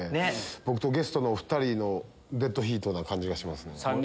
僕とゲストのお２人のデッドヒートな感じがしますね。